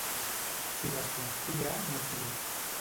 Qui desconfia, no fia.